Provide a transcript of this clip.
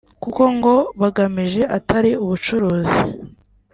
kuko ngo bagamije atari ubucuruzi